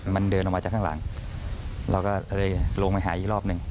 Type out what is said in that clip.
มันเดินออกมาจากข้างหลังเราก็เลยลงไปหาอีกรอบหนึ่ง